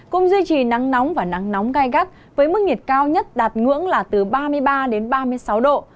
cũng duy trì nắng nóng và nắng nóng gai gắt với mức nhiệt cao nhất đạt ngưỡng là từ ba mươi ba đến ba mươi sáu độ